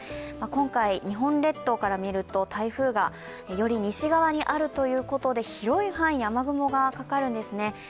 今回、日本列島から見ると台風がより西側にあるということで、広い範囲に雨雲がかかるんですね。